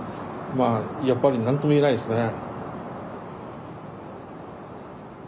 まあやっぱり何とも言えないですね。